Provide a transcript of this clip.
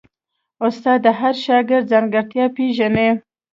استاد د هر شاګرد ځانګړتیا پېژني.